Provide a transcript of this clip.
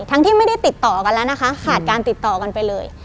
ที่ไม่ได้ติดต่อกันแล้วนะคะขาดการติดต่อกันไปเลย